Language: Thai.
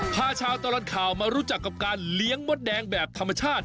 พาชาวตลอดข่าวมารู้จักกับการเลี้ยงมดแดงแบบธรรมชาติ